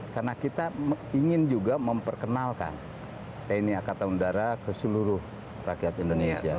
karena kita ingin juga memperkenalkan tni akademik udara ke seluruh rakyat indonesia